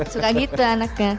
suka gitu anaknya